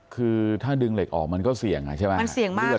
คือถ้าดึงเหล็กออกมันก็เสี่ยงใช่ไหมมันเสี่ยงมาก